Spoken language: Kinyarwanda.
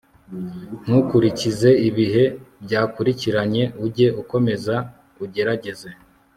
ntukurikize ibihe byakurikiranye, ujye ukomeza ugerageze